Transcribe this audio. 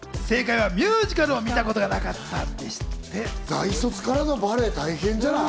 大卒からのバレエ、大変じゃない？